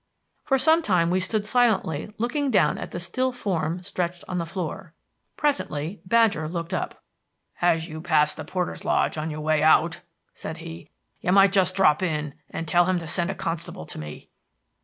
For some time we stood silently looking down at the still form stretched on the floor. Presently Badger looked up. "As you pass the porter's lodge on your way out," said he, "you might just drop in and tell him to send a constable to me."